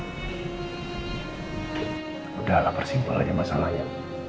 sudahlah persimpah saja masalahnya